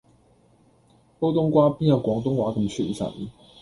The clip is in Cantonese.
煲東瓜邊有廣東話咁傳神